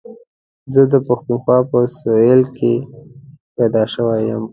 زه د پښتونخوا په سهېل کي پيدا شوی یم.